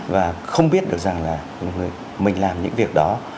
và không biết được rằng là mình làm những việc đó